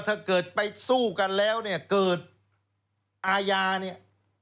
ถ้าเกิดไปสู้กันแล้วเนี่ยเกิดอาญาเนี่ย